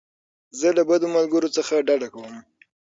زه له بدو ملګرو څخه ډډه کوم.